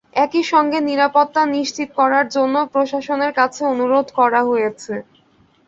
একই সঙ্গে নিরাপত্তা নিশ্চিত করার জন্য প্রশাসনের কাছে অনুরোধ করা হয়েছে।